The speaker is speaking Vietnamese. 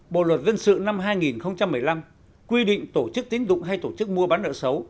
bộ luật dân sự năm hai nghìn một mươi năm quy định tổ chức tín dụng hay tổ chức mua bán nợ xấu